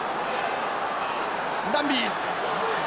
ランビー！